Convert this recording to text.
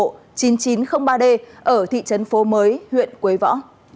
ba d ở thị trấn phố mới huyện quế võ